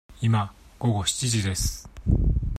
今、午後七時です。